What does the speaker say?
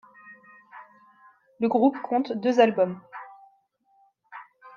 Le groupe compte deux albums.